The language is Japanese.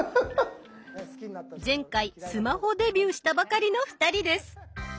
前回スマホデビューしたばかりの２人です。